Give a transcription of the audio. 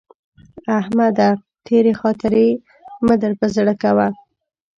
احمده! تېرې خاطرې مه در پر زړه کوه.